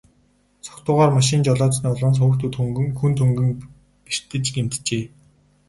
Согтуугаар машин жолоодсоны улмаас хүүхдүүд хүнд хөнгөн бэртэж гэмтжээ.